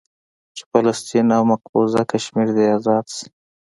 چې فلسطين او مقبوضه کشمير دې ازاد سي.